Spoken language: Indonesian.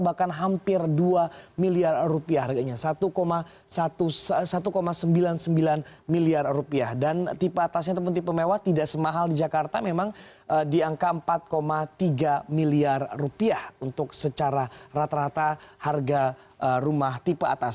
bahkan hampir dua miliar rupiah harganya satu sembilan puluh sembilan miliar rupiah dan tipe atasnya ataupun tipe mewah tidak semahal di jakarta memang di angka empat tiga miliar rupiah untuk secara rata rata harga rumah tipe atas